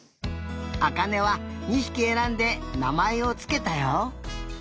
あかねは２ひきえらんでなまえをつけたよ。